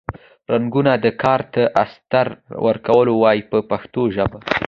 رنګوونکي دې کار ته استر ورکول وایي په پښتو ژبه.